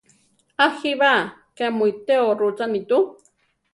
A jíba! ké mu iteó rúchani tu!